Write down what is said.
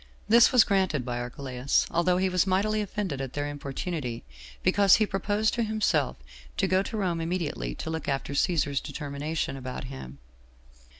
This was granted by Archelaus, although he was mightily offended at their importunity, because he proposed to himself to go to Rome immediately to look after Cæsar's determination about him.